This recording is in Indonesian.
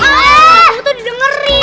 kamu tuh didengerin